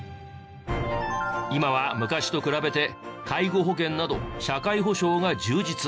今は昔と比べて介護保険など社会保障が充実。